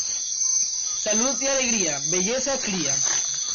Salud y alegría, belleza cría.